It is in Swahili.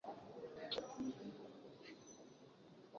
ugonjwa wa kuvuja damu ghafla mkojo mwekundu na magonjwa mengine ya kieneo